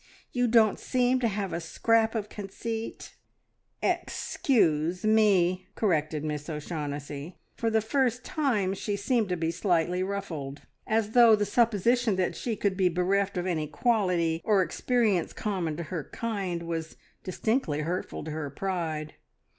You don't seem to have a scrap of conceit " "Ex cuse me," corrected Miss O'Shaughnessy. For the first time she seemed to be slightly ruffled, as though the supposition that she could be bereft of any quality, or experience common to her kind was distinctly hurtful to her pride.